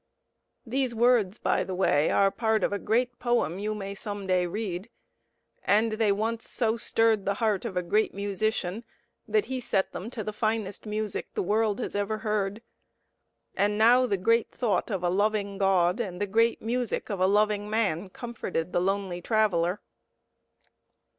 These words, by the way, are a part of a great poem you may some day read. And they once so stirred the heart of a great musician that he set them to the finest music the world has ever heard. And now the great thought of a loving God and the great music of a loving man comforted the lonely traveller.